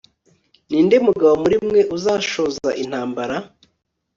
ni nde mugabo muri mwe uzashoza intambara